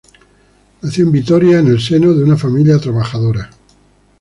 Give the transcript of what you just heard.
Nació en Vitoria en el seno de una familia trabajadora.